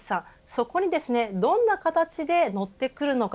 そこにどんな形で乗ってくるのか